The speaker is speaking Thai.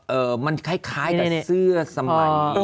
เอ่อมันคล้ายกับเสื้อสมัยนี้